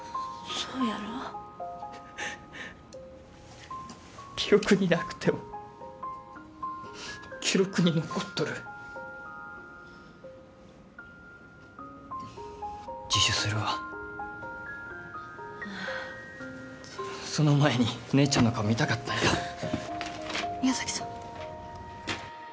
そうやろ記憶になくても記録に残っとる自首するわその前に姉ちゃんの顔見たかったんや宮崎さん